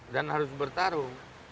dan harus bertarung